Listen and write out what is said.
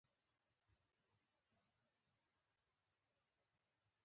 ډاکټر یې غوښتنه کوله.